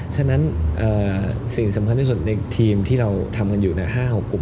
ฉะนั้นสิ่งสำคัญที่สุดในทีมที่เราทำกันอยู่๕๖กลุ่ม